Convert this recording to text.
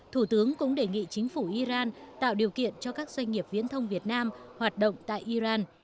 thủ tướng cũng đề nghị chính phủ iran tạo điều kiện cho các doanh nghiệp viễn thông việt nam hoạt động tại iran